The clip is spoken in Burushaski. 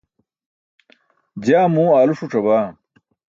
jaa muu aalu ṣuc̣abaa